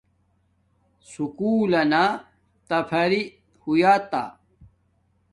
سکُول لنا تفرری ہوتا